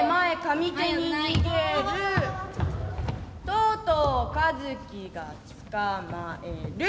とうとう和翔がつかまえる。